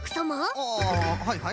ああはいはい？